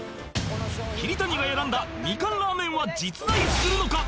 桐谷が選んだみかんラーメンは実在するのか？